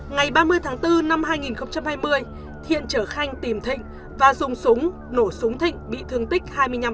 ngày ba mươi tháng bốn năm hai nghìn hai mươi thiện chở khanh tìm thịnh và dùng súng nổ súng thịnh bị thương tích hai mươi năm